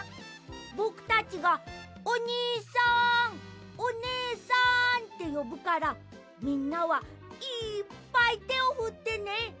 ぼくたちが「おにいさんおねえさん」ってよぶからみんなはいっぱいてをふってね。